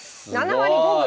７割５分。